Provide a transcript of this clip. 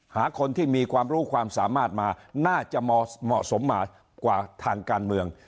หาคนที่มีความรู้ความสามารถมาน่าจะเหมาะสมมากกว่าทางการเมือง